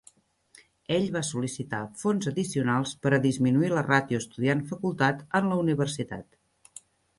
Ell va sol·licitar fons addicionals per a disminuir la ràtio estudiant-facultat en la universitat.